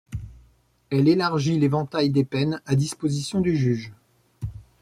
Elle élargit l’éventail des peines à disposition du juge.